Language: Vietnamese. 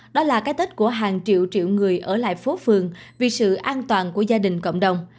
đó là cái tết của hàng triệu triệu người ở lại phố phường vì sự an toàn của gia đình cộng đồng